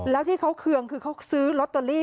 แล้วที่เขาเคืองคือเขาซื้อลอตเตอรี่